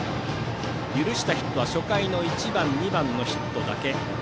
許したヒットは初回の１番、２番のヒットだけ。